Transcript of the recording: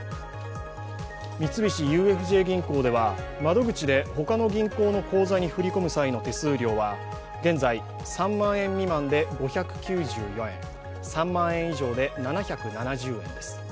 三菱ＵＦＪ銀行では、窓口で他の銀行の口座に振り込む際の手数料は現在３万円未満で５９４円、３万円以上で７７０円です。